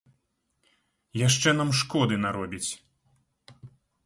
Яшчэ нам шкоды наробіць.